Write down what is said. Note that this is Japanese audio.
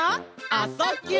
「あ・そ・ぎゅ」